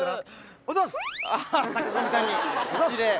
おはようございます！